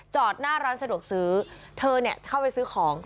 หน้าร้านสะดวกซื้อเธอเนี่ยเข้าไปซื้อของ